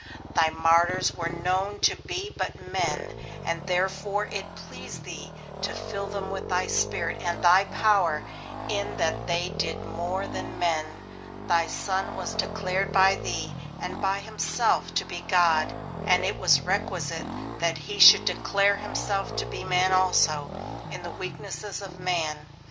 Thy martyrs were known to be but men, and therefore it pleased thee to fill them with thy Spirit and thy power, in that they did more than men; thy Son was declared by thee, and by himself, to be God; and it was requisite that he should declare himself to be man also, in the weaknesses of man.